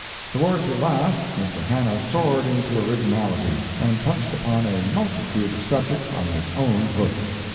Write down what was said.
] Toward the last, Mr. Hannah soared into originality, and touched upon a multitude of subjects on his own hook.